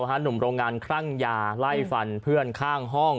หนุ่มโรงงานคลั่งยาไล่ฟันเพื่อนข้างห้อง